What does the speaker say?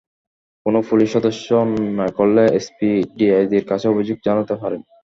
কোনো পুলিশ সদস্য অন্যায় করলে এসপি, ডিআইজির কাছে অভিযোগ জানাতে পারেন।